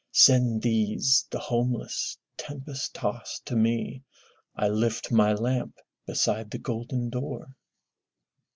Send these, the homeless, tempest tost to me, I lift my lamp beside the golden door!